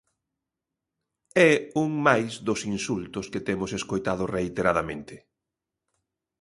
É un máis dos insultos que temos escoitado reiteradamente.